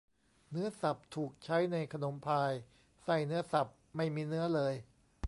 เนื้อสับถูกใช้ในขนมพายไส้เนื้อสับไม่มีเนื้อเลย